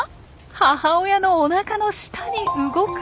母親のおなかの下に動くもの。